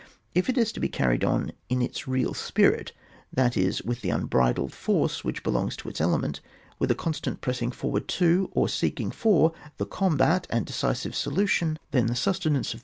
If it is to be carried on in its real spirit, that is, with the un bridled force which belongs to its element, with a constant pressing for ward to, or seeking for the combat and decisive solution, then the sustenance of CHAP, xrv.